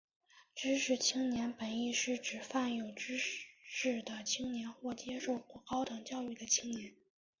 知识青年本义是泛指有知识的青年或者接受过高等教育的青年。